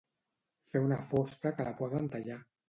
Fer una fosca que la poden tallar.